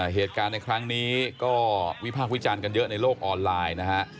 เหตุการณ์ในครั้งนี้ก็วิพากษ์วิจารณ์กันเยอะในโลกออนไลน์นะฮะ